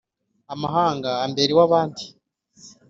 amahanga ambera iw’abandi